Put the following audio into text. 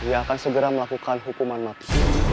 ia akan segera melakukan hukuman mati